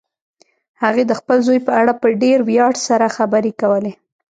هغې د خپل زوی په اړه په ډېر ویاړ سره خبرې کولې